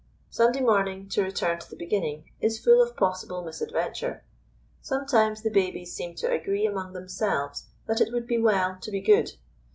Sunday morning, to return to the beginning, is full of possible misadventure. Sometimes the babies seem to agree among themselves that it would be well to be good.